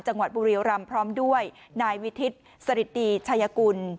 จังหวัดบุรีรำพร้อมด้วยนายวิทิศสริตดีชายกุล